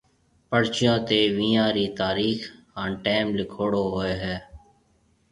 پرچيون تيَ وينيان رِي تاريخ ھان ٽيئم لکوڙو ھوئيَ ھيََََ